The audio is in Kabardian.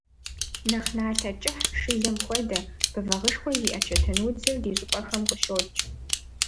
Нэхъ налъэ кӀыхь, шылэм хуэдэ, бэвагъышхуэ зиӀэ чэтэнудзыр ди щӀыпӀэхэм къыщокӀ.